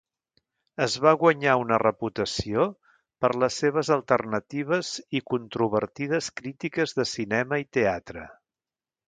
Es va guanyar una reputació per les seves alternatives i controvertides crítiques de cinema i teatre.